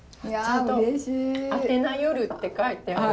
「あてなよる」って書いてる。